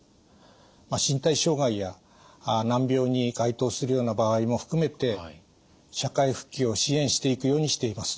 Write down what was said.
身体障害や難病に該当するような場合も含めて社会復帰を支援していくようにしています。